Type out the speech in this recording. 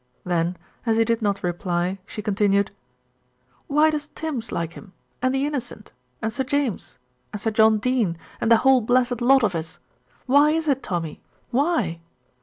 Then as he did not reply she continued: "Why does Tims like him, and the Innocent, and Sir James, and Sir John Dene, and the whole blessed lot of us? Why is it, Tommy, why?"